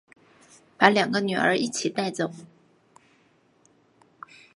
把两个女儿一起带走